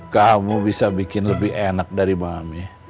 kamu bisa bikin lebih enak dari bami